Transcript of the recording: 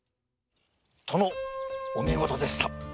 殿お見事でした。